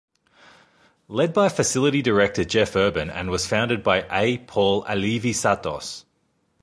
Led by Facility Director Jeff Urban and was founded by A. Paul Alivisatos.